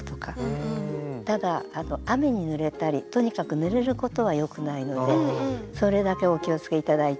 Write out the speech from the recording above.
ただ雨にぬれたりとにかくぬれることはよくないのでそれだけお気をつけ頂いて。